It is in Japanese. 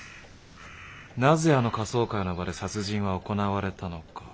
なぜあの仮装会の場で殺人は行われたのか。